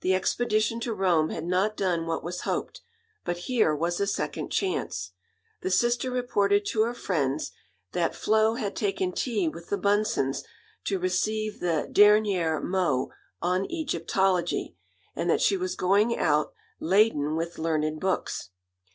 The expedition to Rome had not done what was hoped, but here was a second chance. The sister reported to her friends that "Flo had taken tea with the Bunsens to receive the dernier mot on Egyptology," and that she was going out "laden with learned books."